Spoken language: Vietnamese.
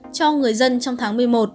cho người dân trong tháng một mươi một